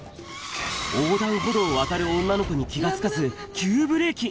横断歩道を渡る女の子に気が付かず、急ブレーキ。